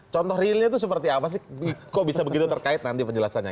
contoh realnya itu seperti apa sih kok bisa begitu terkait nanti penjelasannya